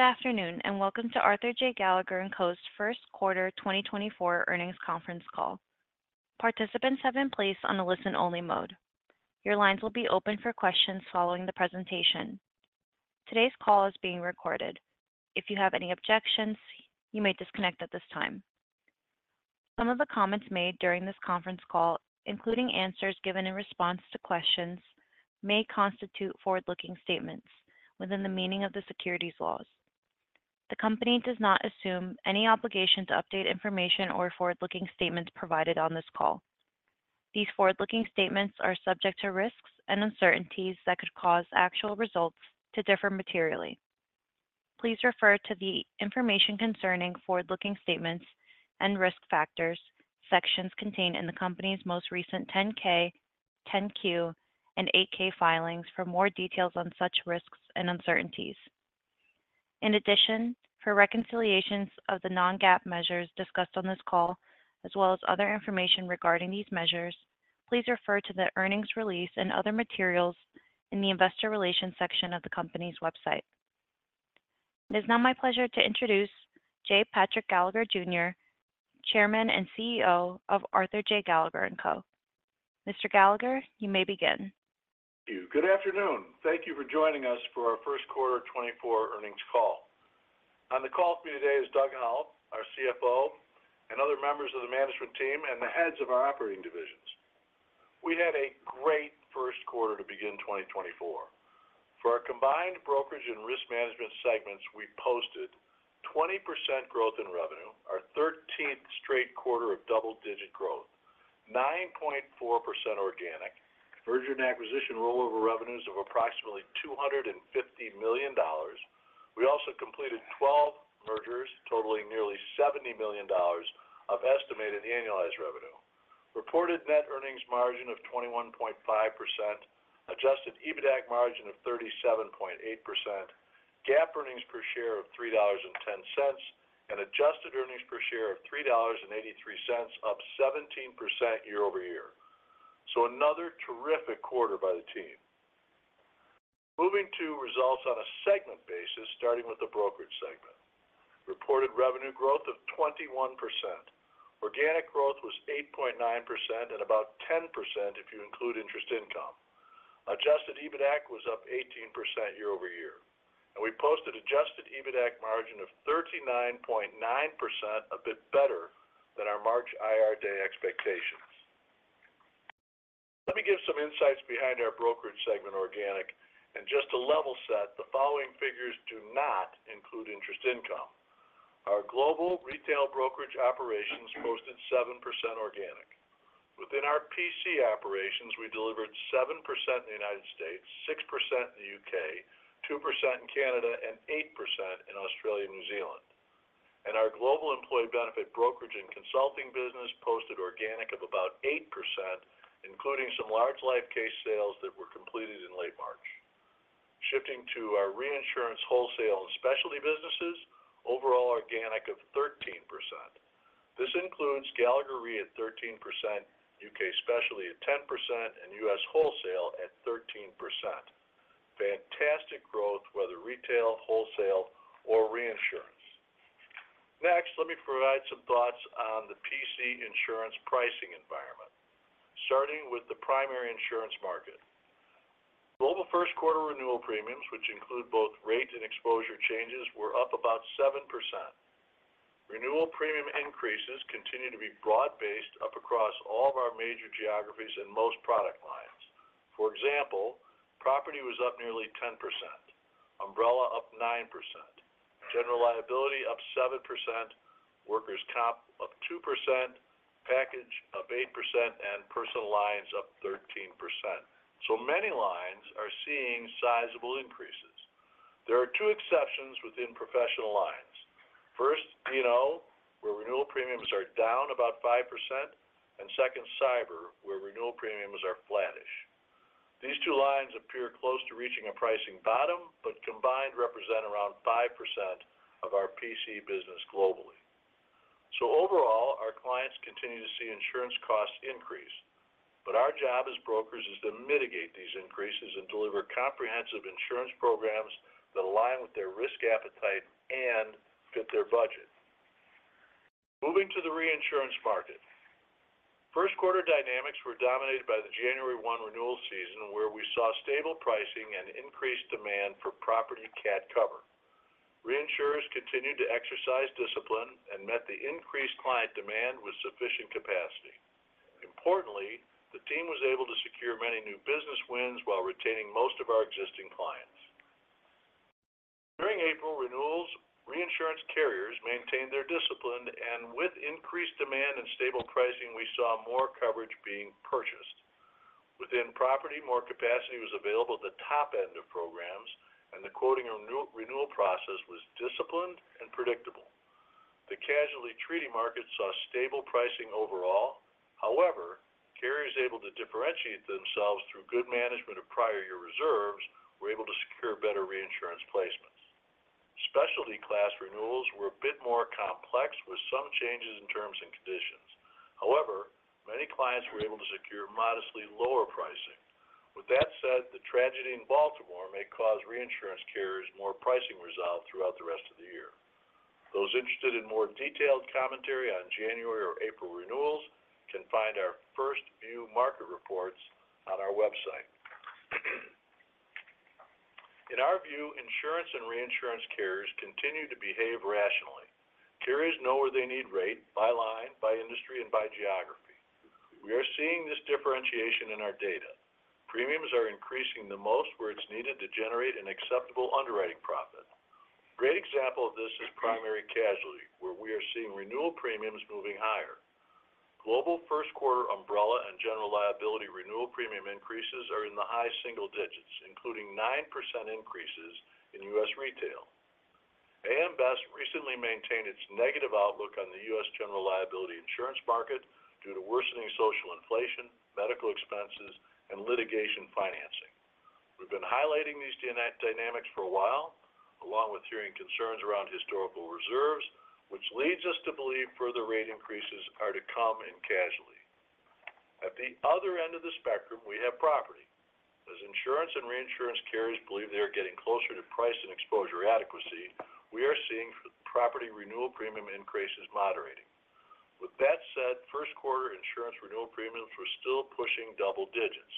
Good afternoon and welcome to Arthur J. Gallagher & Co's first quarter 2024 earnings conference call. Participants have been placed on a listen-only mode. Your lines will be open for questions following the presentation. Today's call is being recorded. If you have any objections, you may disconnect at this time. Some of the comments made during this conference call, including answers given in response to questions, may constitute forward-looking statements within the meaning of the securities laws. The company does not assume any obligation to update information or forward-looking statements provided on this call. These forward-looking statements are subject to risks and uncertainties that could cause actual results to differ materially. Please refer to the "Information Concerning Forward-Looking Statements and Risk Factors" sections contained in the company's most recent 10-K, 10-Q, and 8-K filings for more details on such risks and uncertainties. In addition, for reconciliations of the non-GAAP measures discussed on this call, as well as other information regarding these measures, please refer to the earnings release and other materials in the Investor Relations section of the company's website. It is now my pleasure to introduce J. Patrick Gallagher, Jr., Chairman and CEO of Arthur J. Gallagher & Co. Mr. Gallagher, you may begin. Good afternoon. Thank you for joining us for our first quarter 2024 earnings call. On the call with me today is Doug Howell, our CFO, and other members of the management team and the heads of our operating divisions. We had a great first quarter to begin 2024. For our combined brokerage and risk management segments, we posted 20% growth in revenue, our 13th straight quarter of double-digit growth, 9.4% organic, merger and acquisition rollover revenues of approximately $250 million. We also completed 12 mergers, totaling nearly $70 million of estimated annualized revenue, reported net earnings margin of 21.5%, adjusted EBITDA margin of 37.8%, GAAP earnings per share of $3.10, and adjusted earnings per share of $3.83, up 17% year-over-year. So, another terrific quarter by the team. Moving to results on a segment basis, starting with the brokerage segment. Reported revenue growth of 21%. Organic growth was 8.9% and about 10% if you include interest income. Adjusted EBITDA was up 18% year-over-year. We posted adjusted EBITDA margin of 39.9%, a bit better than our March IR Day expectations. Let me give some insights behind our brokerage segment organic. Just to level set, the following figures do not include interest income. Our global retail brokerage operations posted 7% organic. Within our PC operations, we delivered 7% in the United States, 6% in the U.K., 2% in Canada, and 8% in Australia and New Zealand. Our global employee benefit brokerage and consulting business posted organic of about 8%, including some large life case sales that were completed in late March. Shifting to our reinsurance wholesale and specialty businesses, overall organic of 13%. This includes Gallagher Re at 13%, U.K. specialty at 10%, and U.S. wholesale at 13%. Fantastic growth, whether retail, wholesale, or reinsurance. Next, let me provide some thoughts on the PC insurance pricing environment, starting with the primary insurance market. Global first quarter renewal premiums, which include both rate and exposure changes, were up about 7%. Renewal premium increases continue to be broad-based, up across all of our major geographies and most product lines. For example, property was up nearly 10%, umbrella up 9%, general liability up 7%, workers' comp up 2%, package up 8%, and personal lines up 13%. So many lines are seeing sizable increases. There are two exceptions within professional lines. First, D&O, where renewal premiums are down about 5%, and second, cyber, where renewal premiums are flatish. These two lines appear close to reaching a pricing bottom, but combined represent around 5% of our PC business globally. So overall, our clients continue to see insurance costs increase. But our job as brokers is to mitigate these increases and deliver comprehensive insurance programs that align with their risk appetite and fit their budget. Moving to the reinsurance market. First quarter dynamics were dominated by the January 1 renewal season, where we saw stable pricing and increased demand for Property CAT cover. Reinsurers continued to exercise discipline and met the increased client demand with sufficient capacity. Importantly, the team was able to secure many new business wins while retaining most of our existing clients. During April renewals, reinsurance carriers maintained their discipline. With increased demand and stable pricing, we saw more coverage being purchased. Within property, more capacity was available at the top end of programs, and the quoting renewal process was disciplined and predictable. The casualty treaty market saw stable pricing overall. However, carriers able to differentiate themselves through good management of prior year reserves were able to secure better reinsurance placements. Specialty class renewals were a bit more complex, with some changes in terms and conditions. However, many clients were able to secure modestly lower pricing. With that said, the tragedy in Baltimore may cause reinsurance carriers more pricing resolve throughout the rest of the year. Those interested in more detailed commentary on January or April renewals can find our first-view market reports on our website. In our view, insurance and reinsurance carriers continue to behave rationally. Carriers know where they need rate, by line, by industry, and by geography. We are seeing this differentiation in our data. Premiums are increasing the most where it's needed to generate an acceptable underwriting profit. A great example of this is primary casualty, where we are seeing renewal premiums moving higher. Global first quarter umbrella and general liability renewal premium increases are in the high single digits, including 9% increases in U.S. retail. AM Best recently maintained its negative outlook on the U.S. general liability insurance market due to worsening social inflation, medical expenses, and litigation financing. We've been highlighting these dynamics for a while, along with hearing concerns around historical reserves, which leads us to believe further rate increases are to come in casualty. At the other end of the spectrum, we have property. As insurance and reinsurance carriers believe they are getting closer to price and exposure adequacy, we are seeing property renewal premium increases moderating. With that said, first quarter insurance renewal premiums were still pushing double digits.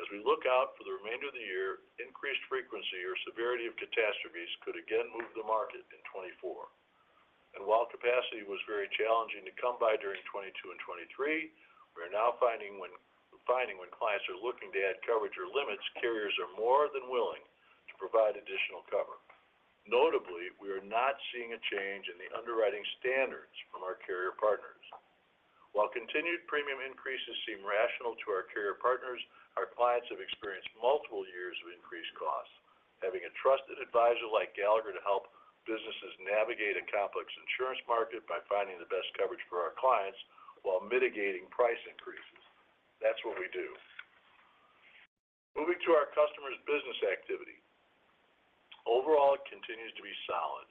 As we look out for the remainder of the year, increased frequency or severity of catastrophes could again move the market in 2024. And while capacity was very challenging to come by during 2022 and 2023, we are now finding when clients are looking to add coverage or limits, carriers are more than willing to provide additional cover. Notably, we are not seeing a change in the underwriting standards from our carrier partners. While continued premium increases seem rational to our carrier partners, our clients have experienced multiple years of increased costs, having a trusted advisor like Gallagher to help businesses navigate a complex insurance market by finding the best coverage for our clients while mitigating price increases. That's what we do. Moving to our customers' business activity. Overall, it continues to be solid.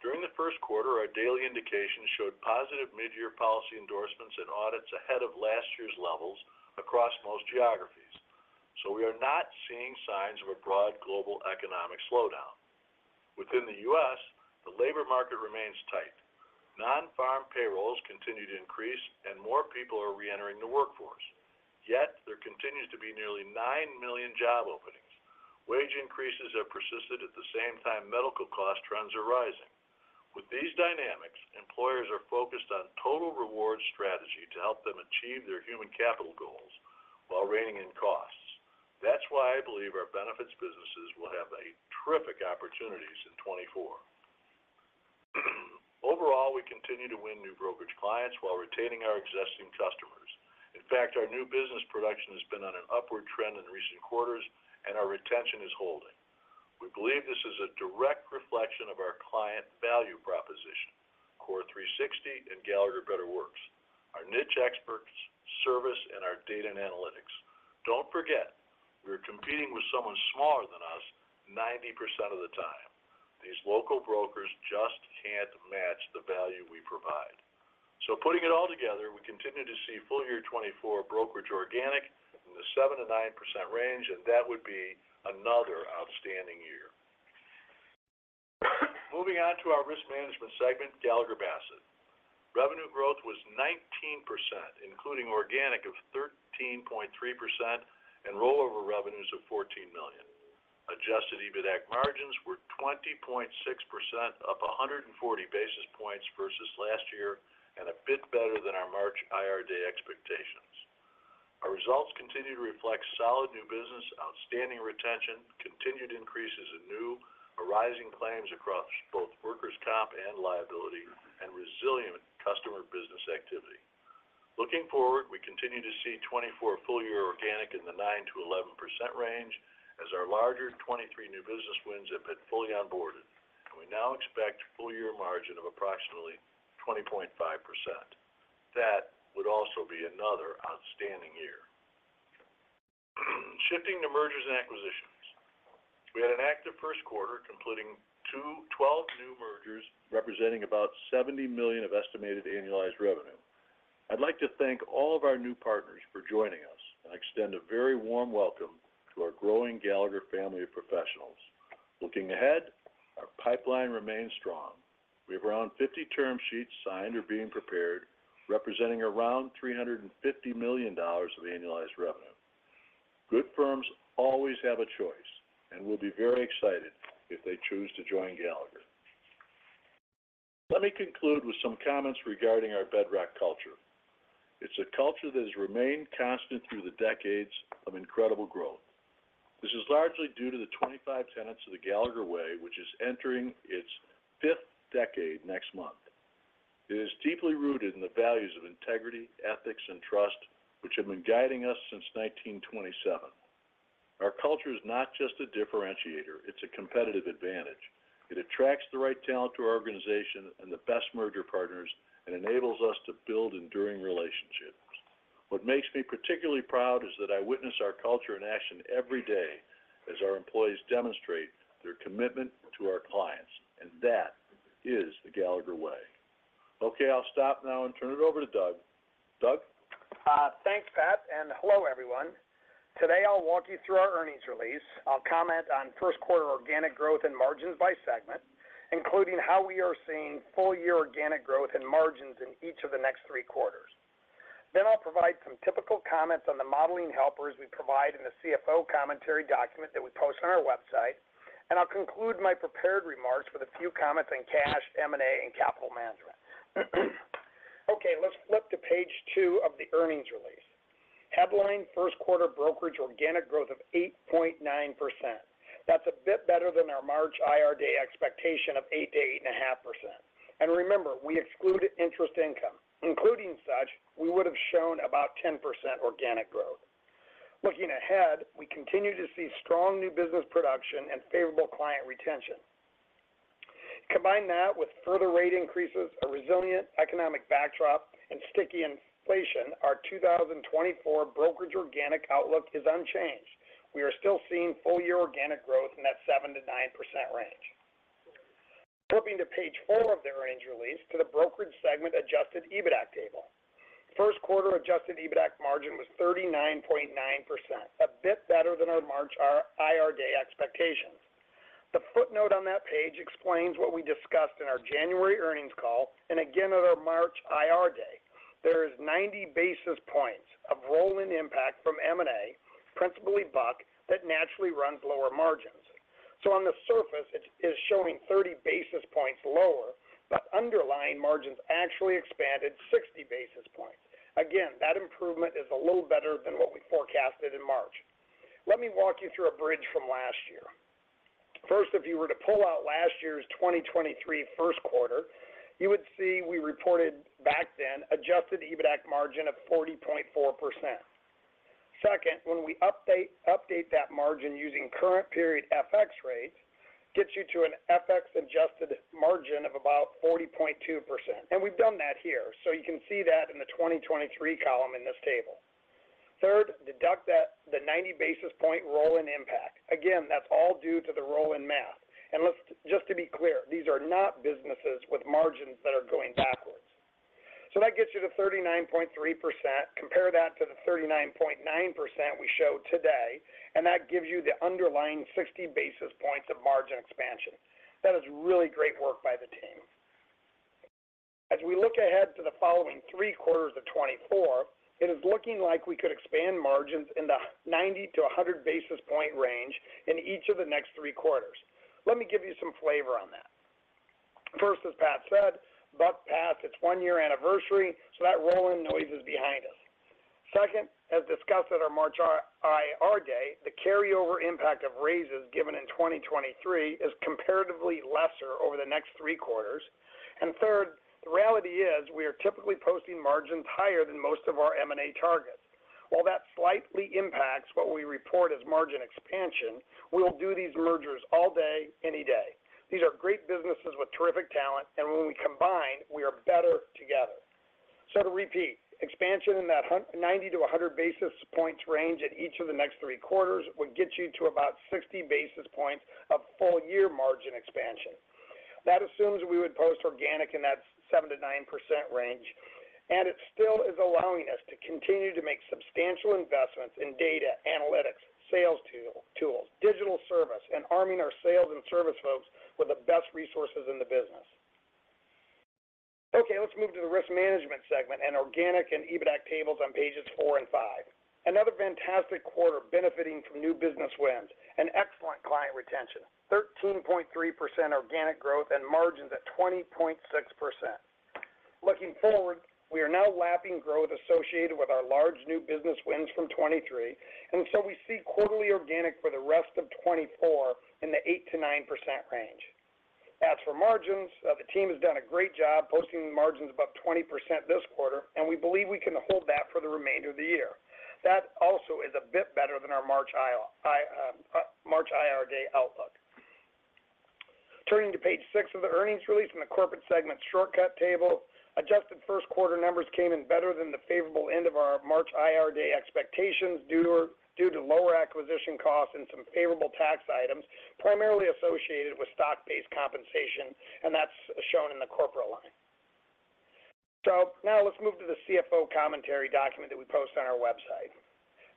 During the first quarter, our daily indications showed positive mid-year policy endorsements and audits ahead of last year's levels across most geographies. So we are not seeing signs of a broad global economic slowdown. Within the U.S., the labor market remains tight. Non-farm payrolls continue to increase, and more people are reentering the workforce. Yet, there continues to be nearly nine million job openings. Wage increases have persisted at the same time medical cost trends are rising. With these dynamics, employers are focused on total rewards strategy to help them achieve their human capital goals while reining in costs. That's why I believe our benefits businesses will have terrific opportunities in 2024. Overall, we continue to win new brokerage clients while retaining our existing customers. In fact, our new business production has been on an upward trend in recent quarters, and our retention is holding. We believe this is a direct reflection of our client value proposition: Core 360 and Gallagher Better Works, our niche experts' service, and our data and analytics. Don't forget, we are competing with someone smaller than us 90% of the time. These local brokers just can't match the value we provide. So putting it all together, we continue to see full year 2024 brokerage organic in the 7%-9% range, and that would be another outstanding year. Moving on to our risk management segment, Gallagher Bassett. Revenue growth was 19%, including organic of 13.3% and rollover revenues of $14 million. Adjusted EBITDA margins were 20.6%, up 140 basis points versus last year and a bit better than our March IR Day expectations. Our results continue to reflect solid new business, outstanding retention, continued increases in new arising claims across both workers' comp and liability, and resilient customer business activity. Looking forward, we continue to see 2024 full year organic in the 9%-11% range as our larger 2023 new business wins have been fully onboarded, and we now expect full year margin of approximately 20.5%. That would also be another outstanding year. Shifting to mergers and acquisitions. We had an active first quarter completing 12 new mergers representing about $70 million of estimated annualized revenue. I'd like to thank all of our new partners for joining us and extend a very warm welcome to our growing Gallagher family of professionals. Looking ahead, our pipeline remains strong. We have around 50 term sheets signed or being prepared, representing around $350 million of annualized revenue. Good firms always have a choice, and we'll be very excited if they choose to join Gallagher. Let me conclude with some comments regarding our bedrock culture. It's a culture that has remained constant through the decades of incredible growth. This is largely due to the 25 tenets of the Gallagher Way, which is entering its fifth decade next month. It is deeply rooted in the values of integrity, ethics, and trust, which have been guiding us since 1927. Our culture is not just a differentiator. It's a competitive advantage. It attracts the right talent to our organization and the best merger partners and enables us to build enduring relationships. What makes me particularly proud is that I witness our culture in action every day as our employees demonstrate their commitment to our clients, and that is the Gallagher Way. Okay, I'll stop now and turn it over to Doug. Doug? Thanks, Pat. And hello, everyone. Today, I'll walk you through our earnings release. I'll comment on first quarter organic growth and margins by segment, including how we are seeing full year organic growth and margins in each of the next three quarters. Then I'll provide some typical comments on the modeling helpers we provide in the CFO commentary document that we post on our website. And I'll conclude my prepared remarks with a few comments on cash, M&A, and capital management. Okay, let's flip to page two of the earnings release. Headline: First quarter brokerage organic growth of 8.9%. That's a bit better than our March IR Day expectation of 8%-8.5%. And remember, we excluded interest income. Including such, we would have shown about 10% organic growth. Looking ahead, we continue to see strong new business production and favorable client retention. Combine that with further rate increases, a resilient economic backdrop, and sticky inflation, our 2024 brokerage organic outlook is unchanged. We are still seeing full year organic growth in that 7%-9% range. Flipping to page four of the earnings release to the brokerage segment adjusted EBITDA table. First quarter adjusted EBITDA margin was 39.9%, a bit better than our March IR Day expectations. The footnote on that page explains what we discussed in our January earnings call and again at our March IR Day. There is 90 basis points of rolling impact from M&A, principally Buck, that naturally runs lower margins. So on the surface, it is showing 30 basis points lower, but underlying margins actually expanded 60 basis points. Again, that improvement is a little better than what we forecasted in March. Let me walk you through a bridge from last year. First, if you were to pull out last year's 2023 first quarter, you would see we reported back then an adjusted EBITDA margin of 40.4%. Second, when we update that margin using current period FX rates, it gets you to an FX adjusted margin of about 40.2%. And we've done that here, so you can see that in the 2023 column in this table. Third, deduct the 90 basis points rolling impact. Again, that's all due to the rolling math. And let's just to be clear, these are not businesses with margins that are going backwards. So that gets you to 39.3%. Compare that to the 39.9% we showed today, and that gives you the underlying 60 basis points of margin expansion. That is really great work by the team. As we look ahead to the following three quarters of 2024, it is looking like we could expand margins in the 90-100 basis point range in each of the next three quarters. Let me give you some flavor on that. First, as Pat said, Buck, Pat, it's one year anniversary, so that rolling noise is behind us. Second, as discussed at our March IR Day, the carryover impact of raises given in 2023 is comparatively lesser over the next three quarters. And third, the reality is we are typically posting margins higher than most of our M&A targets. While that slightly impacts what we report as margin expansion, we'll do these mergers all day, any day. These are great businesses with terrific talent, and when we combine, we are better together. So to repeat, expansion in that 90-100 basis points range in each of the next 3 quarters would get you to about 60 basis points of full year margin expansion. That assumes we would post organic in that 7%-9% range. And it still is allowing us to continue to make substantial investments in data, analytics, sales tools, digital service, and arming our sales and service folks with the best resources in the business. Okay, let's move to the risk management segment and organic and EBITDA tables on pages four and five. Another fantastic quarter benefiting from new business wins and excellent client retention: 13.3% organic growth and margins at 20.6%. Looking forward, we are now lapping growth associated with our large new business wins from 2023, and so we see quarterly organic for the rest of 2024 in the 8%-9% range. As for margins, the team has done a great job posting margins above 20% this quarter, and we believe we can hold that for the remainder of the year. That also is a bit better than our March IR Day outlook. Turning to page 6 of the earnings release and the corporate segment shortcut table, adjusted first quarter numbers came in better than the favorable end of our March IR Day expectations due to lower acquisition costs and some favorable tax items, primarily associated with stock-based compensation, and that's shown in the corporate line. So now let's move to the CFO commentary document that we post on our website.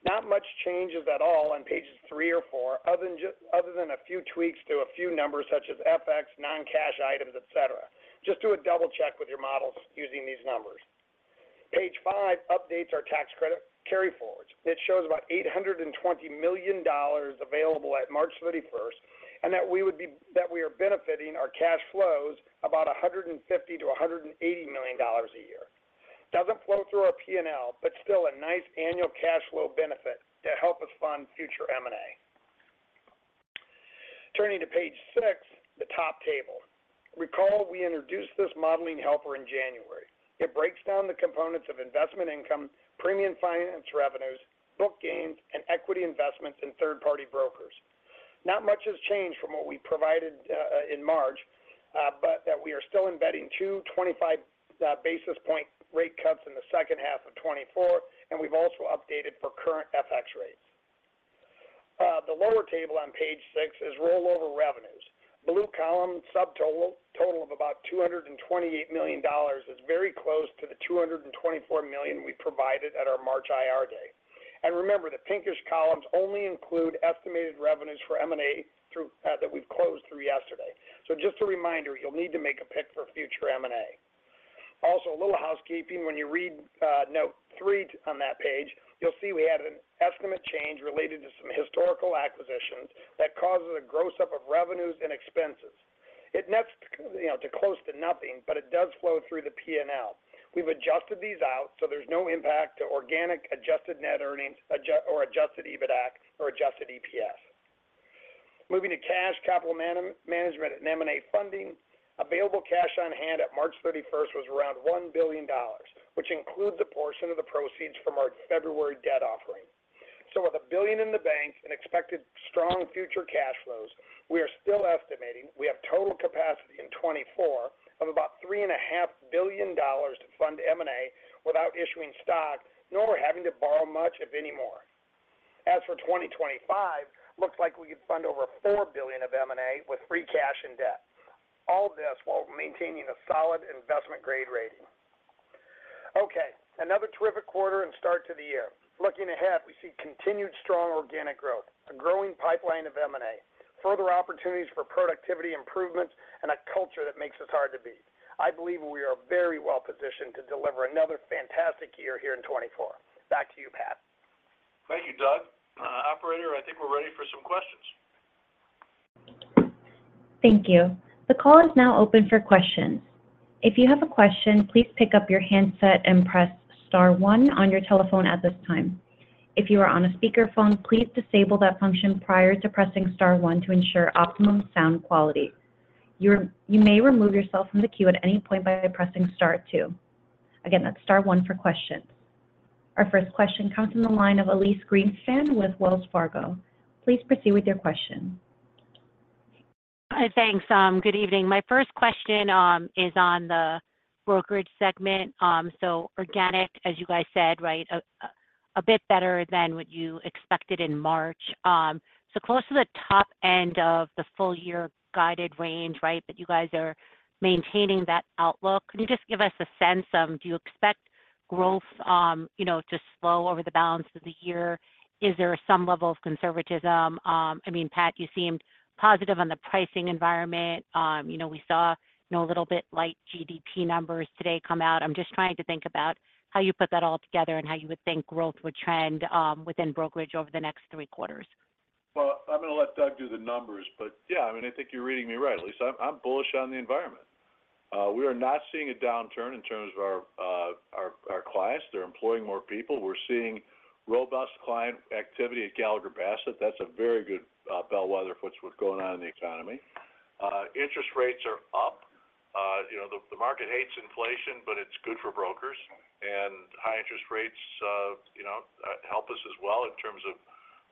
Not much changes at all on pages three or four other than a few tweaks to a few numbers such as FX, non-cash items, etc. Just do a double-check with your models using these numbers. Page five updates our tax credit carryforwards. It shows about $820 million available at March 31st and that we are benefiting our cash flows about $150 million-$180 million a year. Doesn't flow through our P&L, but still a nice annual cash flow benefit to help us fund future M&A. Turning to page six, the top table. Recall we introduced this modeling helper in January. It breaks down the components of investment income, premium finance revenues, book gains, and equity investments in third-party brokers. Not much has changed from what we provided in March, but that we are still embedding 2 25-basis-point rate cuts in the second half of 2024, and we've also updated for current FX rates. The lower table on page six is rollover revenues. Blue column subtotal of about $228 million is very close to the $224 million we provided at our March IR Day. Remember, the pinkish columns only include estimated revenues for M&A that we've closed through yesterday. Just a reminder, you'll need to make a pick for future M&A. A little housekeeping. When you read note three on that page, you'll see we had an estimate change related to some historical acquisitions that causes a gross up of revenues and expenses. It nets to close to nothing, but it does flow through the P&L. We've adjusted these out, so there's no impact to organic adjusted net earnings or adjusted EBITDA or adjusted EPS. Moving to cash, capital management, and M&A funding, available cash on hand at March 31st was around $1 billion, which includes a portion of the proceeds from our February debt offering. So with $1 billion in the bank and expected strong future cash flows, we are still estimating we have total capacity in 2024 of about $3.5 billion to fund M&A without issuing stock nor having to borrow much, if anymore. As for 2025, it looks like we could fund over $4 billion of M&A with free cash and debt, all this while maintaining a solid investment-grade rating. Okay, another terrific quarter and start to the year. Looking ahead, we see continued strong organic growth, a growing pipeline of M&A, further opportunities for productivity improvements, and a culture that makes us hard to beat. I believe we are very well positioned to deliver another fantastic year here in 2024. Back to you, Pat. Thank you, Doug. Operator, I think we're ready for some questions. Thank you. The call is now open for questions. If you have a question, please pick up your handset and press star one on your telephone at this time. If you are on a speakerphone, please disable that function prior to pressing star one to ensure optimum sound quality. You may remove yourself from the queue at any point by pressing star two. Again, that's star one for questions. Our first question comes from the line of Elyse Greenspan with Wells Fargo. Please proceed with your question. Hi, thanks. Good evening. My first question is on the brokerage segment. So organic, as you guys said, right, a bit better than what you expected in March. So close to the top end of the full year guided range, right, but you guys are maintaining that outlook. Can you just give us a sense of do you expect growth to slow over the balance of the year? Is there some level of conservatism? I mean, Pat, you seemed positive on the pricing environment. We saw a little bit light GDP numbers today come out. I'm just trying to think about how you put that all together and how you would think growth would trend within brokerage over the next three quarters? Well, I'm going to let Doug do the numbers, but yeah, I mean, I think you're reading me right, Elyse. I'm bullish on the environment. We are not seeing a downturn in terms of our clients. They're employing more people. We're seeing robust client activity at Gallagher Bassett. That's a very good bellwether for what's going on in the economy. Interest rates are up. The market hates inflation, but it's good for brokers. And high interest rates help us as well in terms of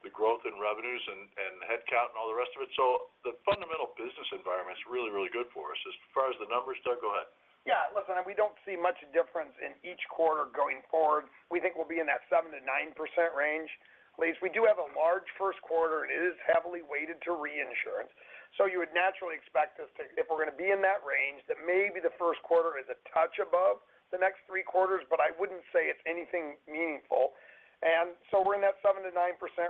the growth in revenues and headcount and all the rest of it. So the fundamental business environment is really, really good for us. As far as the numbers, Doug, go ahead. Yeah, listen, we don't see much difference in each quarter going forward. We think we'll be in that 7%-9% range, Elyse. We do have a large first quarter, and it is heavily weighted to reinsurance. So you would naturally expect us to if we're going to be in that range, that maybe the first quarter is a touch above the next three quarters, but I wouldn't say it's anything meaningful. And so we're in that 7%-9%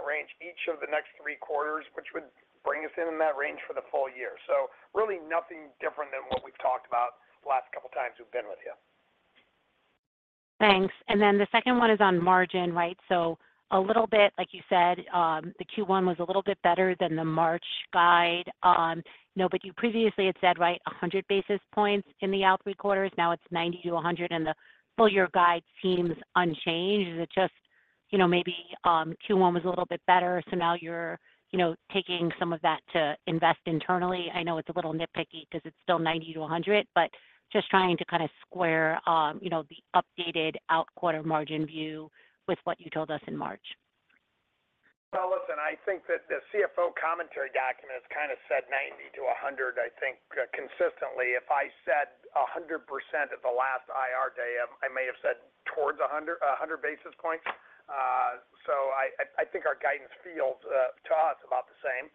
range each of the next three quarters, which would bring us in in that range for the full year. So really nothing different than what we've talked about the last couple of times we've been with you. Thanks. And then the second one is on margin, right? So a little bit, like you said, the Q1 was a little bit better than the March guide. But you previously had said, right, 100 basis points in the out three quarters. Now it's 90-100, and the full year guide seems unchanged. Is it just maybe Q1 was a little bit better, so now you're taking some of that to invest internally? I know it's a little nitpicky because it's still 90-100, but just trying to kind of square the updated out-quarter margin view with what you told us in March? Well, listen, I think that the CFO commentary document has kind of said 90-100, I think, consistently. If I said 100% at the last IR Day, I may have said towards 100 basis points. So I think our guidance feels to us about the same.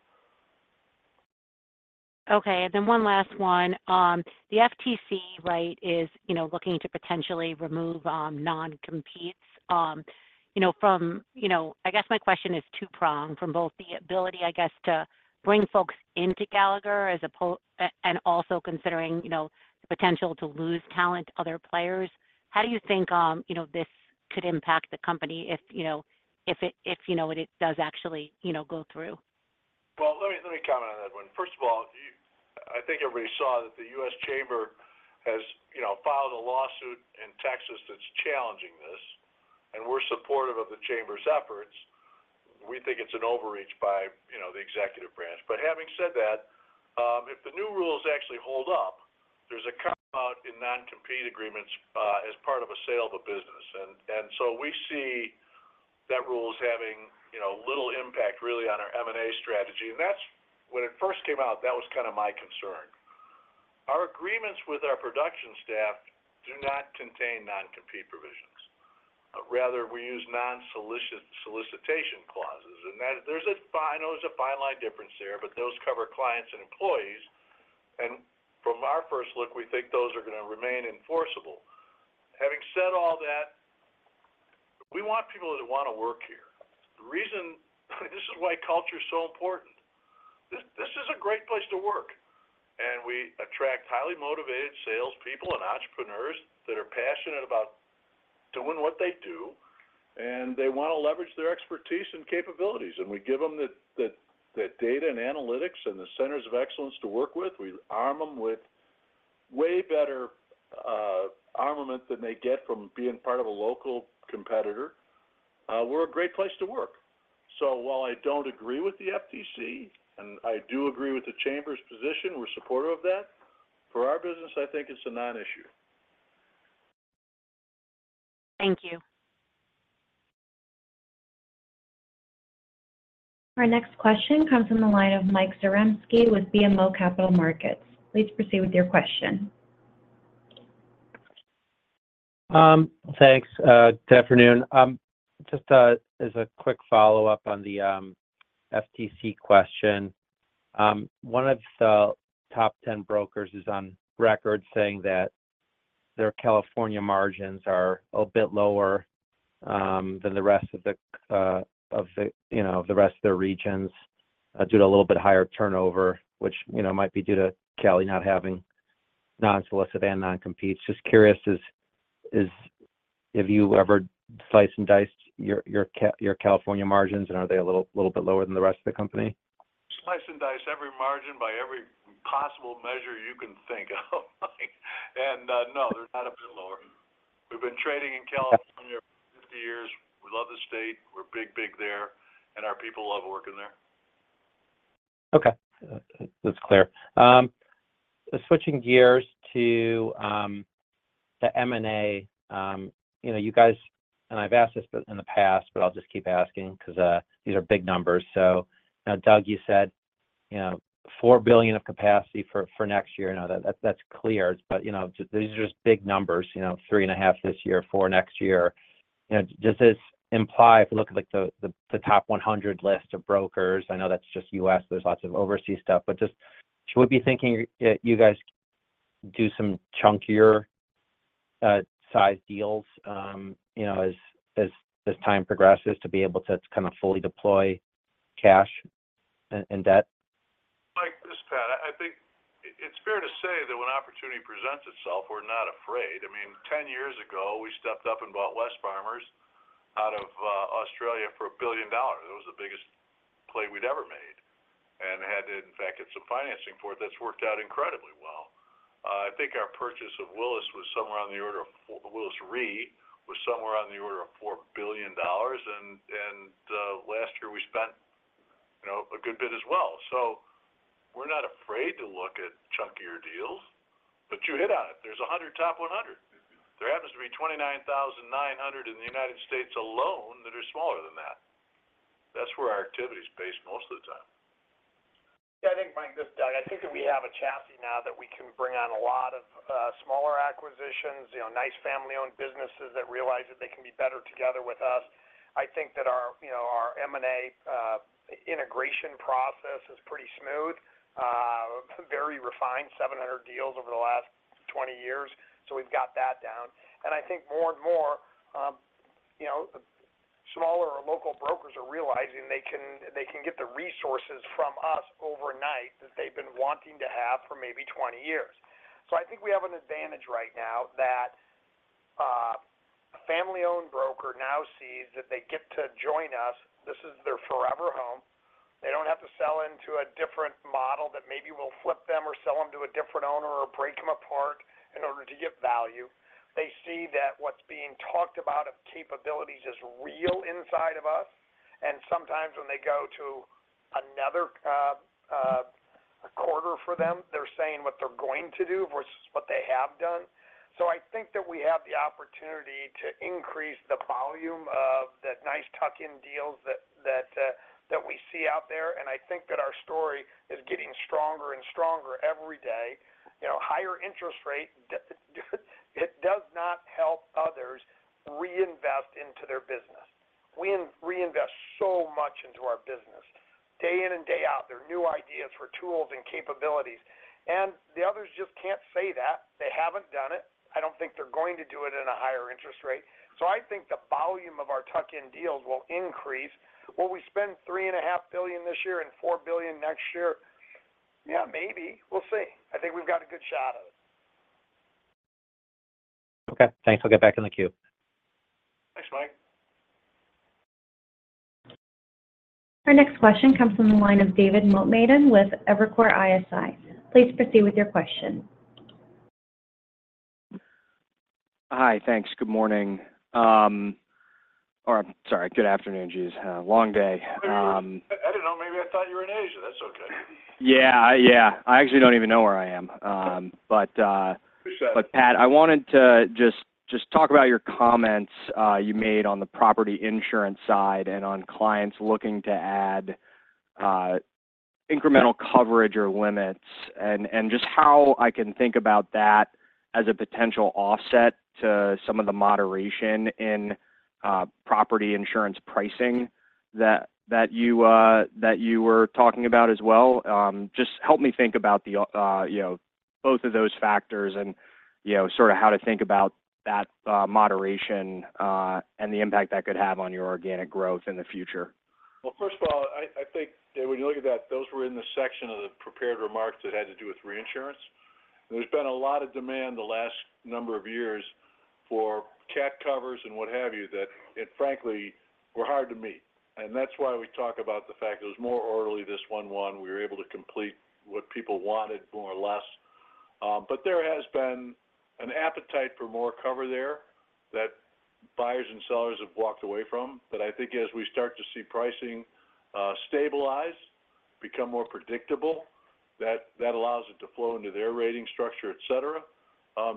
Okay. And then one last one. The FTC, right, is looking to potentially remove non-competes from. I guess my question is two-pronged. From both the ability, I guess, to bring folks into Gallagher and also considering the potential to lose talent, other players, how do you think this could impact the company if it does actually go through? Well, let me comment on that one. First of all, I think everybody saw that the U.S. Chamber has filed a lawsuit in Texas that's challenging this, and we're supportive of the Chamber's efforts. We think it's an overreach by the executive branch. But having said that, if the new rules actually hold up, there's a carve-out in non-compete agreements as part of a sale of a business. And so we see that rule as having little impact, really, on our M&A strategy. And when it first came out, that was kind of my concern. Our agreements with our production staff do not contain non-compete provisions. Rather, we use non-solicitation clauses. There's a fine line difference there, but those cover clients and employees. From our first look, we think those are going to remain enforceable. Having said all that, we want people that want to work here. This is why culture is so important. This is a great place to work. We attract highly motivated salespeople and entrepreneurs that are passionate about doing what they do, and they want to leverage their expertise and capabilities. We give them the data and analytics and the centers of excellence to work with. We arm them with way better armament than they get from being part of a local competitor. We're a great place to work. So while I don't agree with the FTC, and I do agree with the Chamber's position, we're supportive of that. For our business, I think it's a non-issue. Thank you. Our next question comes from the line of Mike Zaremski with BMO Capital Markets. Please proceed with your question. Thanks, Jeff. Just as a quick follow-up on the FTC question, one of the top 10 brokers is on record saying that their California margins are a bit lower than the rest of the rest of their regions due to a little bit higher turnover, which might be due to Cal not having non-solicit and non-competes. Just curious, have you ever sliced and diced your California margins, and are they a little bit lower than the rest of the company? Slice and dice every margin by every possible measure you can think of. And no, they're not a bit lower. We've been trading in California for 50 years. We love the state. We're big, big there, and our people love working there. Okay. That's clear. Switching gears to the M&A, you guys, and I've asked this in the past, but I'll just keep asking because these are big numbers. So Doug, you said $4 billion of capacity for next year. That's clear. But these are just big numbers, $3.5 billion this year, $4 billion next year. Does this imply, if we look at the top 100 list of brokers? I know that's just U.S. There's lots of overseas stuff. But just should we be thinking you guys do some chunkier-sized deals as time progresses to be able to kind of fully deploy cash and debt? Like this, Pat. I think it's fair to say that when opportunity presents itself, we're not afraid. I mean, 10 years ago, we stepped up and bought Wesfarmers out of Australia for $1 billion. That was the biggest play we'd ever made and had to, in fact, get some financing for it. That's worked out incredibly well. I think our purchase of Willis Re was somewhere on the order of $4 billion. And last year, we spent a good bit as well. So we're not afraid to look at chunkier deals, but you hit on it. There's the top 100. There happens to be 29,900 in the United States alone that are smaller than that. That's where our activity is based most of the time. Yeah, I think, Mike, this Doug, I think that we have a chassis now that we can bring on a lot of smaller acquisitions, nice family-owned businesses that realize that they can be better together with us. I think that our M&A integration process is pretty smooth, very refined, 700 deals over the last 20 years. So we've got that down. I think more and more, smaller local brokers are realizing they can get the resources from us overnight that they've been wanting to have for maybe 20 years. So I think we have an advantage right now that a family-owned broker now sees that they get to join us. This is their forever home. They don't have to sell into a different model that maybe will flip them or sell them to a different owner or break them apart in order to get value. They see that what's being talked about of capabilities is real inside of us. And sometimes when they go to another quarter for them, they're saying what they're going to do versus what they have done. So I think that we have the opportunity to increase the volume of the nice tuck-in deals that we see out there. And I think that our story is getting stronger and stronger every day. Higher interest rate, it does not help others reinvest into their business. We reinvest so much into our business day in and day out. There are new ideas for tools and capabilities. And the others just can't say that. They haven't done it. I don't think they're going to do it at a higher interest rate. So I think the volume of our tuck-in deals will increase. Will we spend $3.5 billion this year and $4 billion next year? Yeah, maybe. We'll see. I think we've got a good shot at it. Okay. Thanks. I'll get back in the queue. Thanks, Mike. Our next question comes from the line of David Motemaden with Evercore ISI. Please proceed with your question. Hi. Thanks. Good morning. Or I'm sorry. Good afternoon, Jeez. Long day. I didn't know. Maybe I thought you were in Asia. That's okay. Yeah. Yeah. I actually don't even know where I am. But Pat, I wanted to just talk about your comments you made on the property insurance side and on clients looking to add incremental coverage or limits and just how I can think about that as a potential offset to some of the moderation in property insurance pricing that you were talking about as well. Just help me think about both of those factors and sort of how to think about that moderation and the impact that could have on your organic growth in the future? Well, first of all, I think, David, when you look at that, those were in the section of the prepared remarks that had to do with reinsurance. There's been a lot of demand the last number of years for CAT covers and what have you that, frankly, were hard to meet. And that's why we talk about the fact it was more orderly this 1/1. We were able to complete what people wanted, more or less. But there has been an appetite for more cover there that buyers and sellers have walked away from. But I think as we start to see pricing stabilize, become more predictable, that allows it to flow into their rating structure, etc.,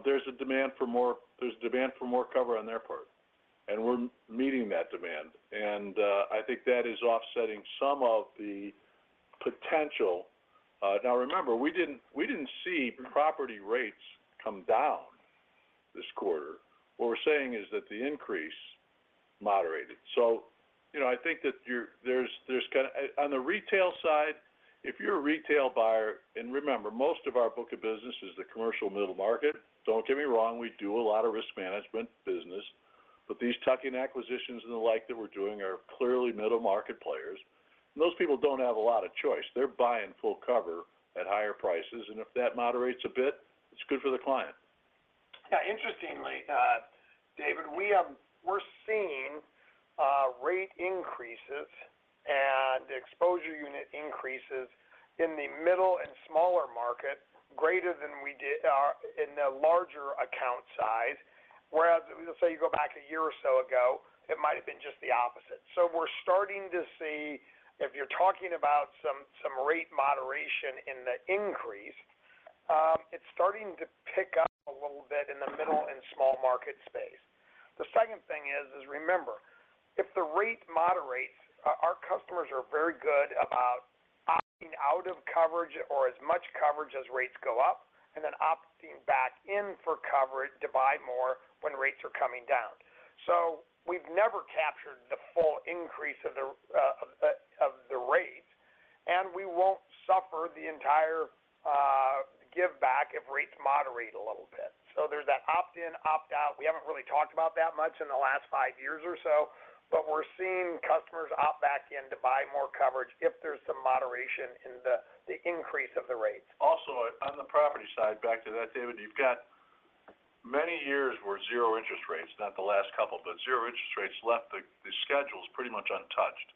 there's a demand for more there's a demand for more cover on their part. And we're meeting that demand. And I think that is offsetting some of the potential now, remember, we didn't see property rates come down this quarter. What we're saying is that the increase moderated. So I think that there's kind of on the retail side, if you're a retail buyer and remember, most of our book of business is the commercial middle market. Don't get me wrong. We do a lot of risk management business. But these tuck-in acquisitions and the like that we're doing are clearly middle-market players. And those people don't have a lot of choice. They're buying full cover at higher prices. If that moderates a bit, it's good for the client. Interestingly, David, we're seeing rate increases and exposure unit increases in the middle and smaller market greater than we did in the larger account size. Whereas, let's say you go back a year or so ago, it might have been just the opposite. So we're starting to see if you're talking about some rate moderation in the increase, it's starting to pick up a little bit in the middle and small market space. The second thing is, remember, if the rate moderates, our customers are very good about opting out of coverage or as much coverage as rates go up and then opting back in for coverage, divide more when rates are coming down. So we've never captured the full increase of the rates, and we won't suffer the entire give-back if rates moderate a little bit. So there's that opt-in, opt-out. We haven't really talked about that much in the last five years or so, but we're seeing customers opt back in to buy more coverage if there's some moderation in the increase of the rates. Also, on the property side, back to that, David, you've got many years where zero interest rates, not the last couple, but zero interest rates left the schedules pretty much untouched.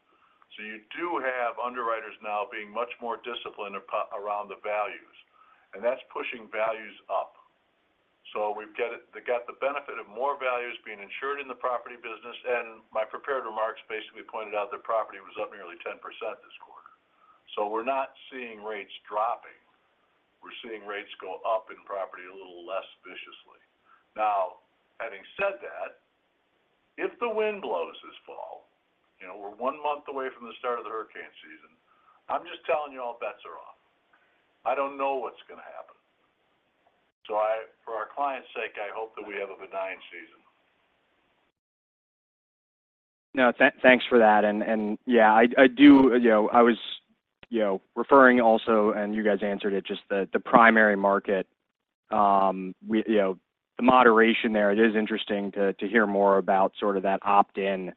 So you do have underwriters now being much more disciplined around the values. And that's pushing values up. So they got the benefit of more values being insured in the property business. And my prepared remarks basically pointed out that property was up nearly 10% this quarter. So we're not seeing rates dropping. We're seeing rates go up in property a little less viciously. Now, having said that, if the wind blows this fall, we're one month away from the start of the hurricane season. I'm just telling you all bets are off. I don't know what's going to happen. So for our client's sake, I hope that we have a benign season. No, thanks for that. And yeah, I do. I was referring also, and you guys answered it, just the primary market, the moderation there. It is interesting to hear more about sort of that opt-in,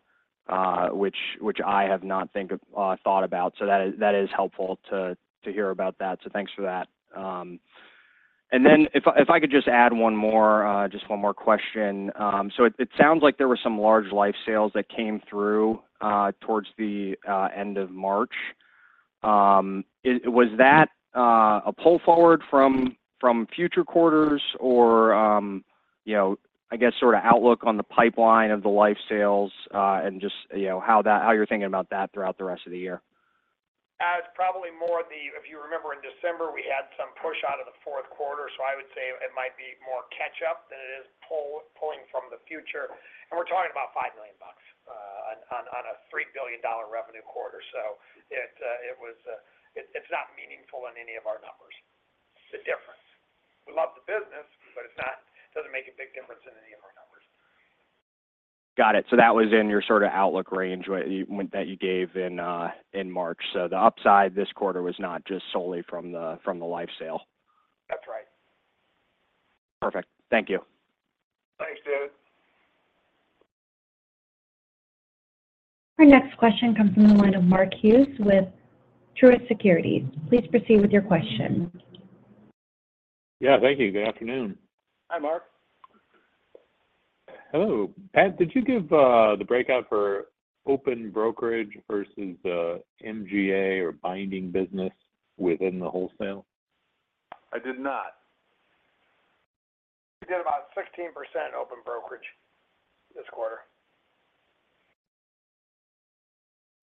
which I have not thought about. So, that is helpful to hear about that. So thanks for that. And then if I could just add one more, just one more question. So, it sounds like there were some large life sales that came through towards the end of March. Was that a pull forward from future quarters or, I guess, sort of outlook on the pipeline of the life sales and just how you're thinking about that throughout the rest of the year? It's probably more the—if you remember, in December, we had some push out of the fourth quarter. So I would say it might be more catch-up than it is pulling from the future. And we're talking about $5 million on a $3 billion revenue quarter. So it was. It's not meaningful in any of our numbers, the difference. We love the business, but it doesn't make a big difference in any of our numbers. Got it. So that was in your sort of outlook range that you gave in March. So the upside this quarter was not just solely from the life sale? That's right. Perfect. Thank you. Thanks, David. Our next question comes from the line of Mark Hughes with Truist Securities. Please proceed with your question. Yeah. Thank you. Good afternoon. Hi, Mark. Hello. Pat, did you give the breakout for open brokerage versus MGA or binding business within the wholesale? I did not. We did about 16% open brokerage this quarter.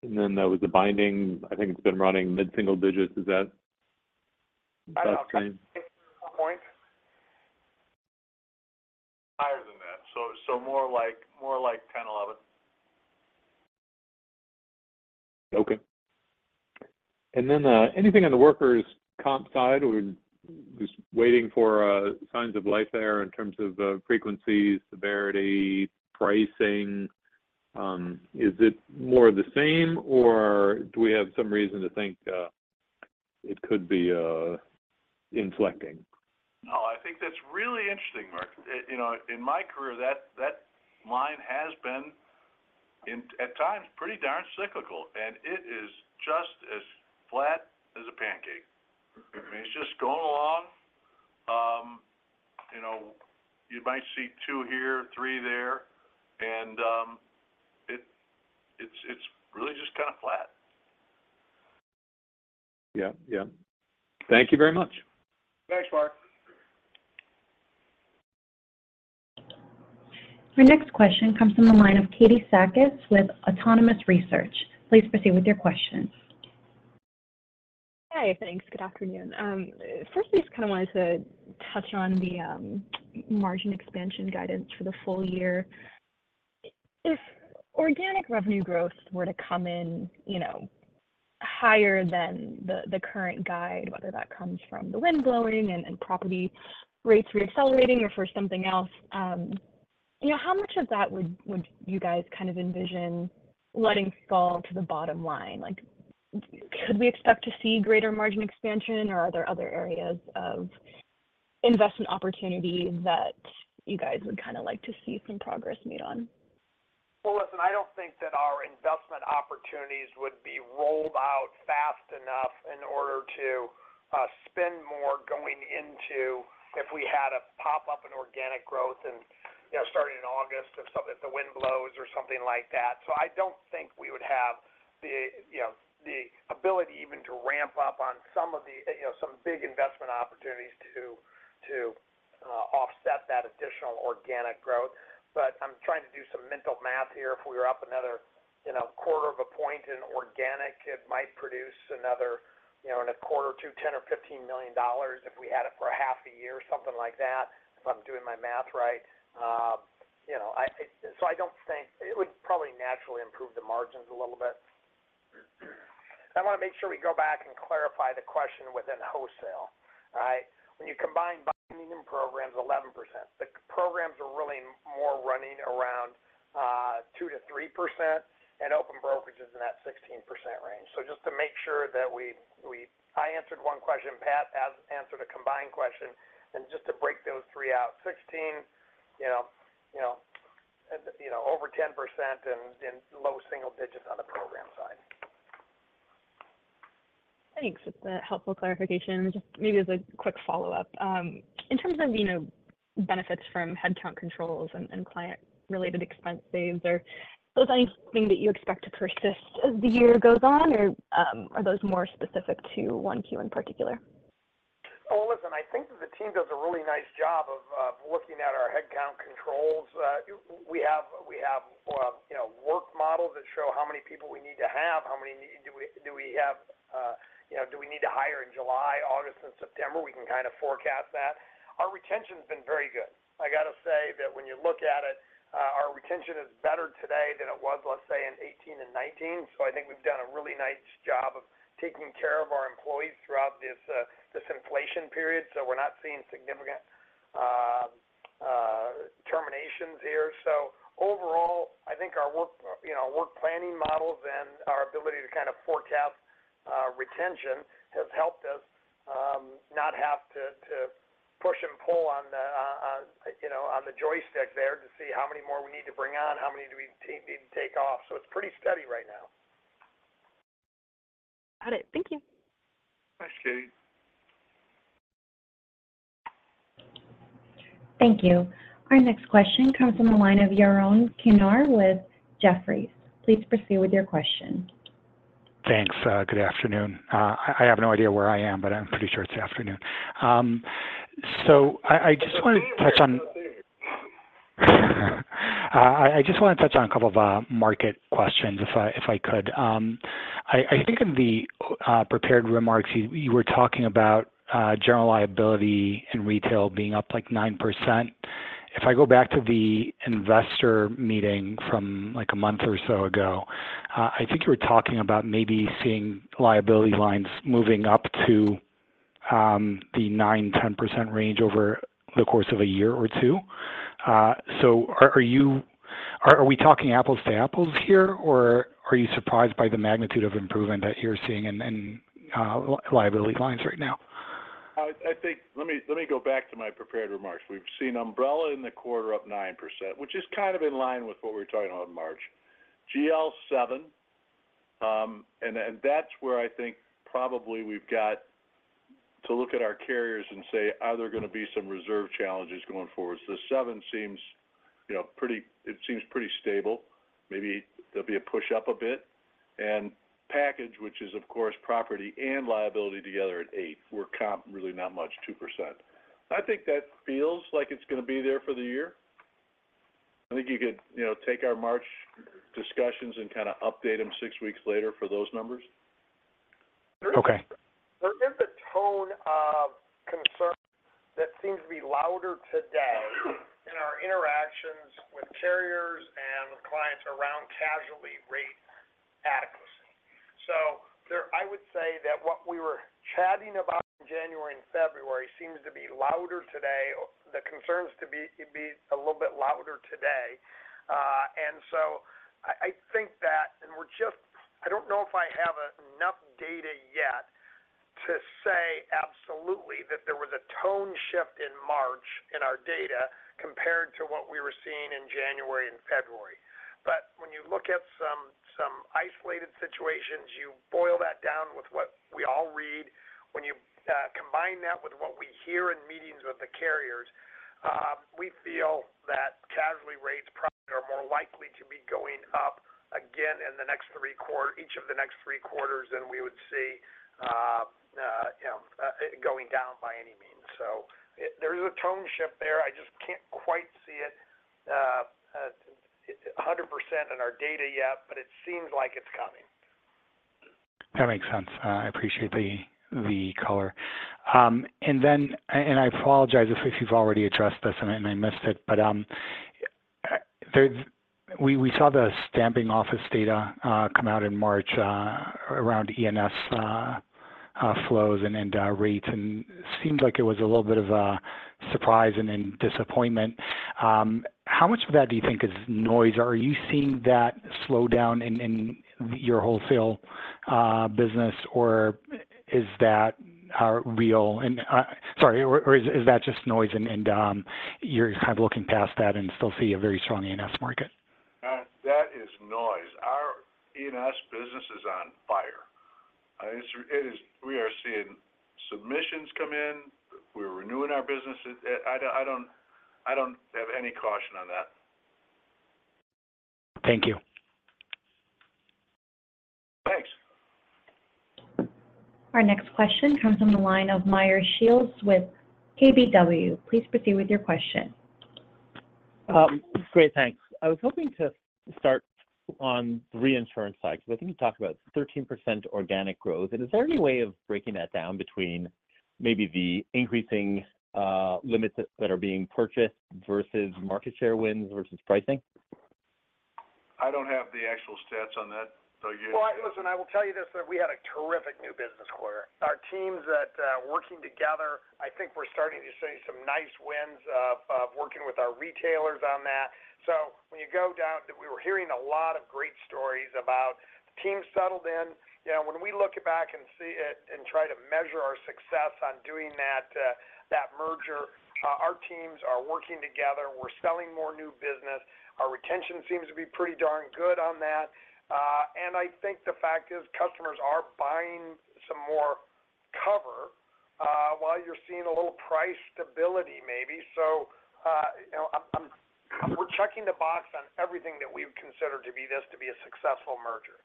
And then that was the binding. I think it's been running mid-single digits. Is that about the same? I don't know. I think you're at a point higher than that. So more like 10, 11. Okay. And then anything on the workers' comp side or just waiting for signs of life there in terms of frequency, severity, pricing? Is it more of the same, or do we have some reason to think it could be inflecting? No, I think that's really interesting, Mark. In my career, that line has been, at times, pretty darn cyclical. It is just as flat as a pancake. I mean, it's just going along. You might see two here, three there. It's really just kind of flat. Yeah. Yeah. Thank you very much. Thanks, Mark. Our next question comes from the line of Katie Sakys with Autonomous Research. Please proceed with your question. Hi. Thanks. Good afternoon. First, I just kind of wanted to touch on the margin expansion guidance for the full year. If organic revenue growth were to come in higher than the current guide, whether that comes from the wind blowing and property rates reaccelerating or for something else, how much of that would you guys kind of envision letting fall to the bottom line? Could we expect to see greater margin expansion, or are there other areas of investment opportunity that you guys would kind of like to see some progress made on? Well, listen, I don't think that our investment opportunities would be rolled out fast enough in order to spend more going into if we had a pop-up in organic growth and starting in August if the wind blows or something like that. So I don't think we would have the ability even to ramp up on some of the big investment opportunities to offset that additional organic growth. But I'm trying to do some mental math here. If we were up another quarter of a point in organic, it might produce another in a quarter or two, $10 million or $15 million if we had it for a half a year, something like that, if I'm doing my math right. So I don't think it would probably naturally improve the margins a little bit. I want to make sure we go back and clarify the question within wholesale, all right? When you combine binding and programs, 11%. The programs are really more running around 2%-3%, and open brokerage is in that 16% range. So just to make sure that I answered one question. Pat answered a combined question. And just to break those three out, 16, over 10%, and low single digits on the program side. Thanks. That's a helpful clarification. Just maybe as a quick follow-up, in terms of benefits from headcount controls and client-related expense saves, is there anything that you expect to persist as the year goes on, or are those more specific to Q1 in particular? Oh, listen, I think that the team does a really nice job of looking at our headcount controls. We have work models that show how many people we need to have. How many do we have? Do we need to hire in July, August, and September? We can kind of forecast that. Our retention's been very good. I got to say that when you look at it, our retention is better today than it was, let's say, in 2018 and 2019. So I think we've done a really nice job of taking care of our employees throughout this inflation period. So we're not seeing significant terminations here. So overall, I think our work planning models and our ability to kind of forecast retention has helped us not have to push and pull on the joystick there to see how many more we need to bring on, how many do we need to take off. So it's pretty steady right now. Got it. Thank you. Thanks, Katie. Thank you. Our next question comes from the line of Yaron Kinar with Jefferies. Please proceed with your question. Thanks. Good afternoon. I have no idea where I am, but I'm pretty sure it's afternoon. So I just wanted to touch on a couple of market questions if I could. I think in the prepared remarks, you were talking about general liability in retail being up like 9%. If I go back to the investor meeting from like a month or so ago, I think you were talking about maybe seeing liability lines moving up to the 9%-10% range over the course of a year or two. So are we talking apples to apples here, or are you surprised by the magnitude of improvement that you're seeing in liability lines right now? Let me go back to my prepared remarks. We've seen Umbrella in the quarter up 9%, which is kind of in line with what we were talking about in March. GL7, and that's where I think probably we've got to look at our carriers and say, "Are there going to be some reserve challenges going forward?" The seven seems pretty stable. Maybe there'll be a push-up a bit. And Package, which is, of course, property and liability together at 8%, where comp really not much, 2%. I think that feels like it's going to be there for the year. I think you could take our March discussions and kind of update them six weeks later for those numbers. Okay. There is a tone of concern that seems to be louder today in our interactions with carriers and with clients around casualty rate adequacy. So I would say that what we were chatting about in January and February seems to be louder today. The concerns to be a little bit louder today. And so I think that and we're just I don't know if I have enough data yet to say absolutely that there was a tone shift in March in our data compared to what we were seeing in January and February. But when you look at some isolated situations, you boil that down with what we all read. When you combine that with what we hear in meetings with the carriers, we feel that casualty rates probably are more likely to be going up again in the next three quarter each of the next three quarters than we would see going down by any means. So there is a tone shift there. I just can't quite see it 100% in our data yet, but it seems like it's coming. That makes sense. I appreciate the color. And I apologize if you've already addressed this and I missed it, but we saw the stamping office data come out in March around E&S flows and rates, and it seemed like it was a little bit of a surprise and then disappointment. How much of that do you think is noise? Are you seeing that slowdown in your wholesale business, or is that real? And sorry, or is that just noise, and you're kind of looking past that and still see a very strong E&S market? That is noise. Our E&S business is on fire. We are seeing submissions come in. We're renewing our business. I don't have any caution on that. Thank you. Thanks. Our next question comes from the line of Meyer Shields with KBW. Please proceed with your question. Great. Thanks. I was hoping to start on the reinsurance side because I think you talked about 13% organic growth. And is there any way of breaking that down between maybe the increasing limits that are being purchased versus market share wins versus pricing? I don't have the actual stats on that, Doug. Well, listen, I will tell you this, that we had a terrific new business quarter. Our teams that are working together, I think we're starting to see some nice wins of working with our retailers on that. So when you go down, we were hearing a lot of great stories about the team settled in. When we look back and try to measure our success on doing that merger, our teams are working together. We're selling more new business. Our retention seems to be pretty darn good on that. And I think the fact is customers are buying some more cover while you're seeing a little price stability maybe. So we're checking the box on everything that we would consider to be this to be a successful merger.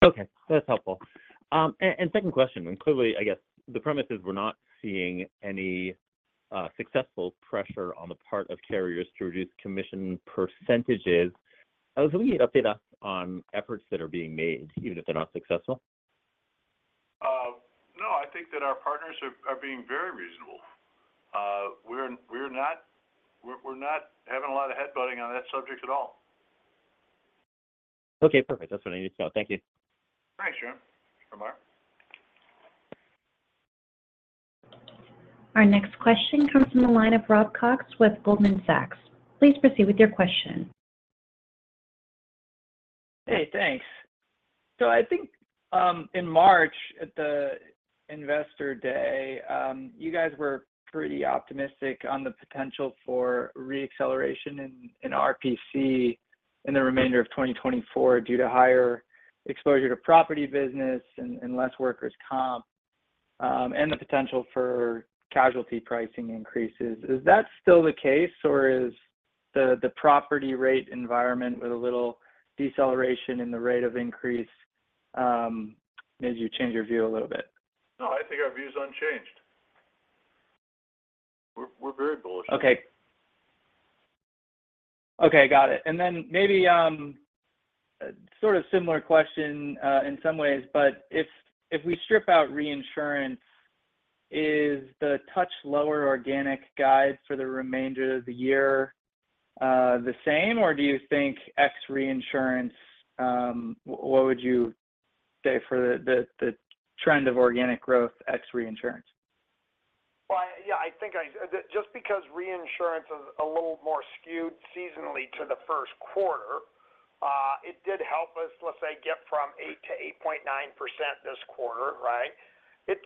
Okay. That's helpful. And second question, and clearly, I guess, the premise is we're not seeing any successful pressure on the part of carriers to reduce commission percentages. Can we update us on efforts that are being made, even if they're not successful? No, I think that our partners are being very reasonable. We're not having a lot of headbutting on that subject at all. Okay. Perfect. That's what I needed to know. Thank you. Thanks, Shields, goodbye. Our next question comes from the line of Rob Cox with Goldman Sachs. Please proceed with your question. Hey. Thanks. So, I think in March, at the Investor Day, you guys were pretty optimistic on the potential for reacceleration in RPC in the remainder of 2024 due to higher exposure to property business and less workers' comp and the potential for casualty pricing increases. Is that still the case, or is the property rate environment with a little deceleration in the rate of increase made you change your view a little bit? No, I think our view's unchanged. We're very bullish. Okay. Okay. Got it. And then maybe sort of similar question in some ways, but if we strip out reinsurance, is the somewhat lower organic guide for the remainder of the year the same, or do you think ex reinsurance what would you say for the trend of organic growth ex reinsurance? Well, yeah, I think just because reinsurance is a little more skewed seasonally to the first quarter, it did help us, let's say, get from 8%-8.9% this quarter, right?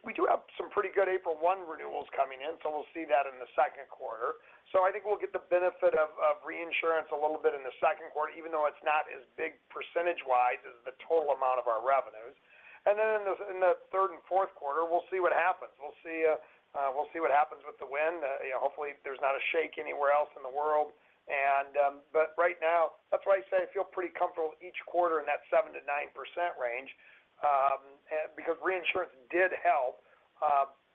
We do have some pretty good April 1 renewals coming in, so we'll see that in the second quarter. So I think we'll get the benefit of reinsurance a little bit in the second quarter, even though it's not as big percentage-wise as the total amount of our revenues. And then in the third and fourth quarter, we'll see what happens. We'll see what happens with the wind. Hopefully, there's not a shake anywhere else in the world. But right now, that's why I say I feel pretty comfortable each quarter in that 7%-9% range because reinsurance did help,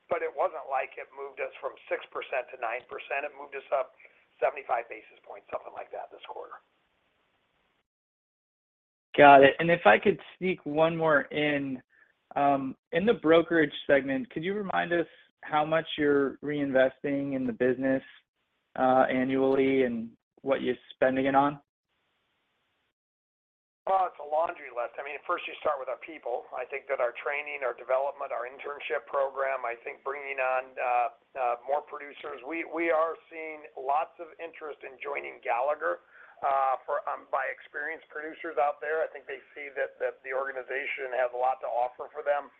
but it wasn't like it moved us from 6%-9%. It moved us up 75 basis points, something like that, this quarter. Got it. And if I could sneak one more in, in the brokerage segment, could you remind us how much you're reinvesting in the business annually and what you're spending it on? Well, it's a laundry list. I mean, first, you start with our people. I think that our training, our development, our internship program, I think bringing on more producers. We are seeing lots of interest in joining Gallagher by experienced producers out there. I think they see that the organization has a lot to offer for them.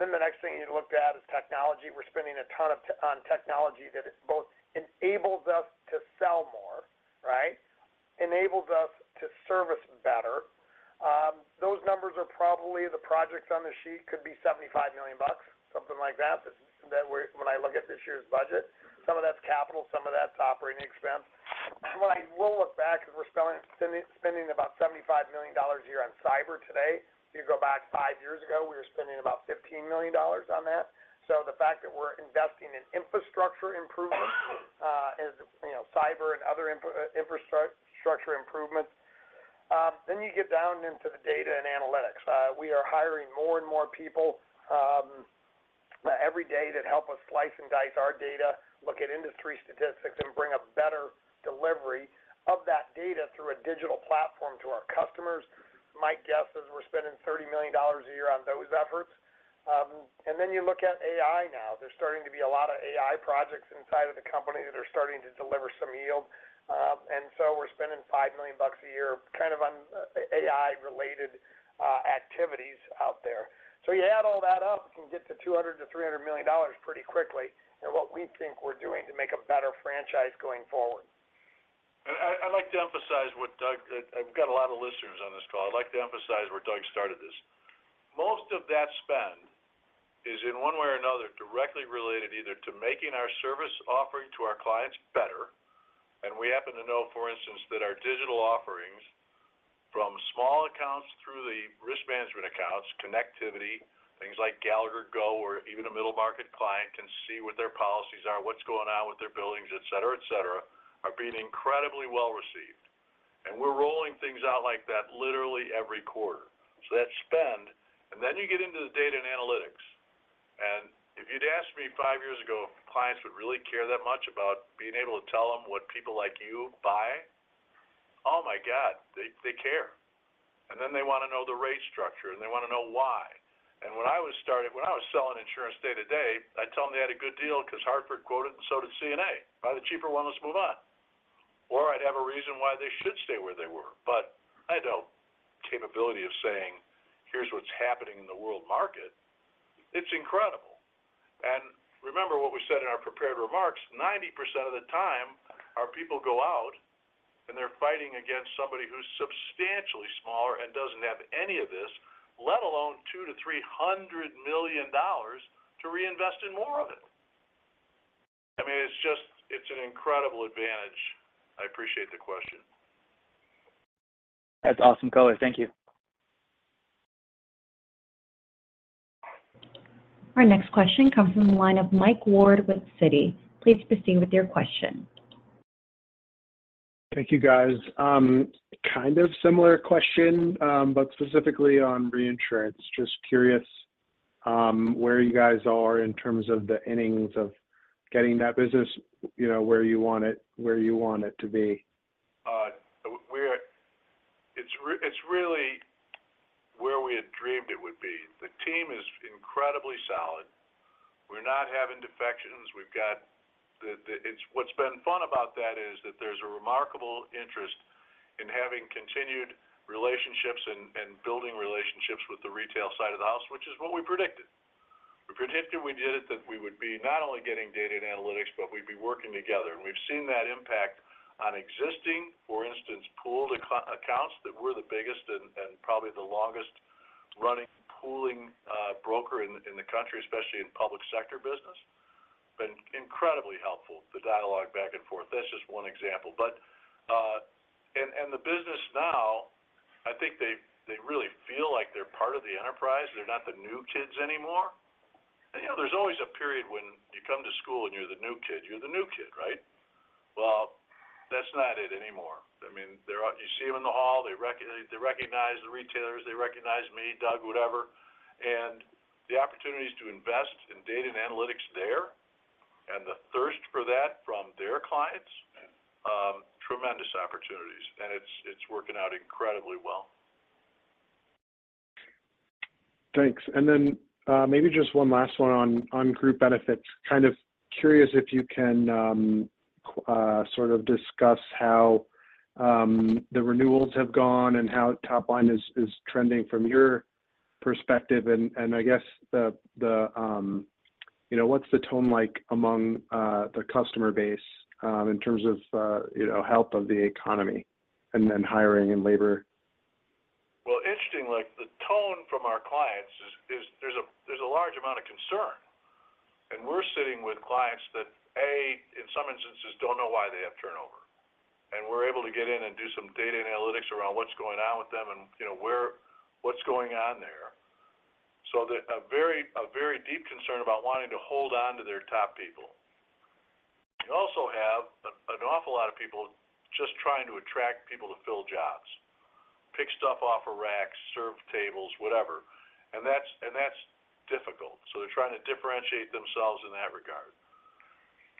Then the next thing you look at is technology. We're spending a ton on technology that both enables us to sell more, right, enables us to service better. Those numbers are probably the projects on the sheet could be $75 million, something like that, when I look at this year's budget. Some of that's capital. Some of that's operating expense. And what I will look back because we're spending about $75 million a year on cyber today. If you go back five years ago, we were spending about $15 million on that. So the fact that we're investing in infrastructure improvements, cyber, and other infrastructure improvements, then you get down into the data and analytics. We are hiring more and more people every day that help us slice and dice our data, look at industry statistics, and bring a better delivery of that data through a digital platform to our customers. My guess is we're spending $30 million a year on those efforts. And then you look at AI now. There's starting to be a lot of AI projects inside of the company that are starting to deliver some yield. So we're spending $5 million a year kind of on AI-related activities out there. So you add all that up, you can get to $200 million-$300 million pretty quickly in what we think we're doing to make a better franchise going forward. I'd like to emphasize what Doug. I've got a lot of listeners on this call. I'd like to emphasize where Doug started this. Most of that spend is in one way or another directly related either to making our service offering to our clients better. And we happen to know, for instance, that our digital offerings from small accounts through the risk management accounts, connectivity, things like Gallagher Go, or even a middle-market client can see what their policies are, what's going on with their buildings, etc., etc., are being incredibly well received. And we're rolling things out like that literally every quarter. So that spend and then you get into the data and analytics. And if you'd asked me five years ago if clients would really care that much about being able to tell them what people like you buy, oh my God, they care. And then they want to know the rate structure, and they want to know why. And when I was starting when I was selling insurance day to day, I'd tell them they had a good deal because Hartford quoted it, and so did CNA. "Buy the cheaper one. Let's move on," or I'd have a reason why they should stay where they were. But I had no capability of saying, "Here's what's happening in the world market." It's incredible. And remember what we said in our prepared remarks? 90% of the time, our people go out, and they're fighting against somebody who's substantially smaller and doesn't have any of this, let alone $200 million-$300 million to reinvest in more of it. I mean, it's an incredible advantage. I appreciate the question. That's awesome color. Thank you. Our next question comes from the line of Mike Ward with Citi. Please proceed with your question. Thank you, guys. Kind of similar question, but specifically on reinsurance. Just curious where you guys are in terms of the innings of getting that business, where you want it where you want it to be? It's really where we had dreamed it would be. The team is incredibly solid. We're not having defections. We've got what's been fun about that is that there's a remarkable interest in having continued relationships and building relationships with the retail side of the house, which is what we predicted. We predicted we did it that we would be not only getting data and analytics, but we'd be working together. And we've seen that impact on existing, for instance, pooled accounts that were the biggest and probably the longest-running pooling broker in the country, especially in public sector business. It's been incredibly helpful, the dialogue back and forth. That's just one example. And the business now, I think they really feel like they're part of the enterprise. They're not the new kids anymore. There's always a period when you come to school and you're the new kid. You're the new kid, right? Well, that's not it anymore. I mean, you see them in the hall. They recognize the retailers. They recognize me, Doug, whatever. And the opportunities to invest in data and analytics there and the thirst for that from their clients, tremendous opportunities. And it's working out incredibly well. Thanks. And then maybe just one last one on group benefits. Kind of curious if you can sort of discuss how the renewals have gone and how top line is trending from your perspective. And I guess what's the tone like among the customer base in terms of health of the economy and then hiring and labor? Well, interesting, the tone from our clients is there's a large amount of concern. And we're sitting with clients that, A, in some instances, don't know why they have turnover. We're able to get in and do some data and analytics around what's going on with them and what's going on there. A very deep concern about wanting to hold on to their top people. You also have an awful lot of people just trying to attract people to fill jobs, pick stuff off of racks, serve tables, whatever. That's difficult. They're trying to differentiate themselves in that regard.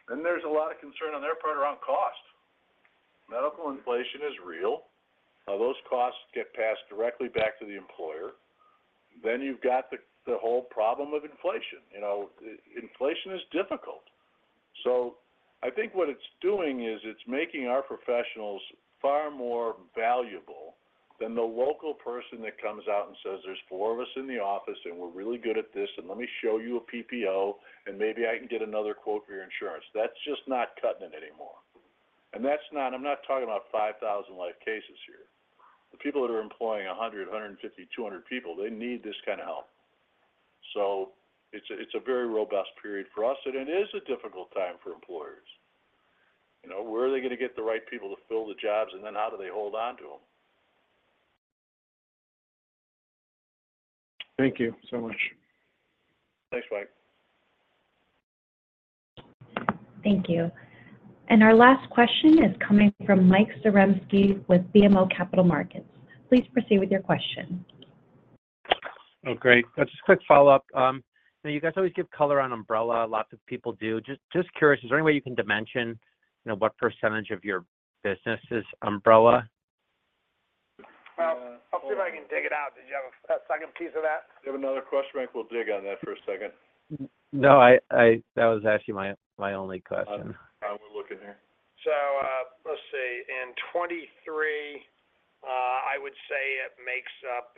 There's a lot of concern on their part around cost. Medical inflation is real. Those costs get passed directly back to the employer. You've got the whole problem of inflation. Inflation is difficult. I think what it's doing is it's making our professionals far more valuable than the local person that comes out and says, "There's four of us in the office, and we're really good at this. And let me show you a PPO, and maybe I can get another quote for your insurance." That's just not cutting it anymore. I'm not talking about 5,000 life cases here. The people that are employing 100, 150, 200 people, they need this kind of help. So it's a very robust period for us. And it is a difficult time for employers. Where are they going to get the right people to fill the jobs, and then how do they hold on to them? Thank you so much. Thanks, Mike. Thank you. And our last question is coming from Michael Zaremski with BMO Capital Markets. Please proceed with your question. Oh, great. Just a quick follow-up. Now, you guys always give color on umbrella. Lots of people do. Just curious, is there any way you can dimension what percentage of your business is umbrella? Well, I'll see if I can dig it out. Did you have a second piece of that? Do you have another question? I think we'll dig on that for a second. No, that was actually my only question. We're looking here. So let's see. In 2023, I would say it makes up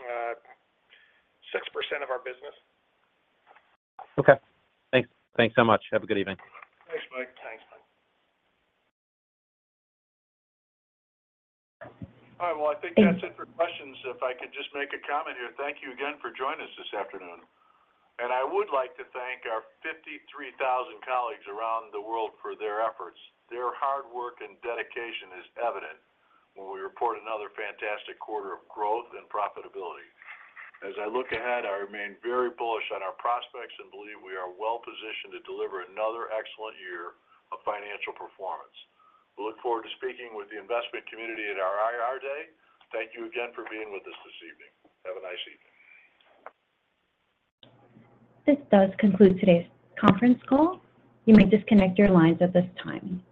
6% of our business. Okay. Thanks. Thanks so much. Have a good evening. Thanks, Mike. Thanks, Mike. All right. Well, I think that's it for questions. If I could just make a comment here. Thank you again for joining us this afternoon. I would like to thank our 53,000 colleagues around the world for their efforts. Their hard work and dedication is evident when we report another fantastic quarter of growth and profitability. As I look ahead, I remain very bullish on our prospects and believe we are well positioned to deliver another excellent year of financial performance. We look forward to speaking with the investment community at our IR Day. Thank you again for being with us this evening. Have a nice evening. This does conclude today's conference call. You may disconnect your lines at this time.